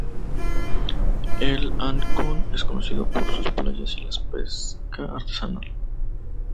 El Ancón es conocido por sus playas y la pesca artesanal.